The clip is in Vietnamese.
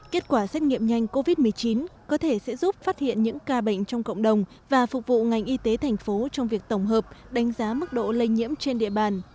kết quả xét nghiệm nhanh covid một mươi chín có thể sẽ giúp phát hiện những ca bệnh trong cộng đồng và phục vụ ngành y tế thành phố trong việc tổng hợp đánh giá mức độ lây nhiễm trên địa bàn